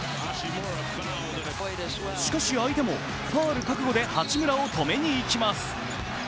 しかし、相手もファウル覚悟で八村を止めに行きます。